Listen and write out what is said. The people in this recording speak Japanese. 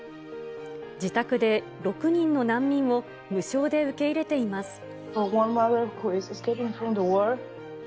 自宅で６人の難民を無償で受け入れています。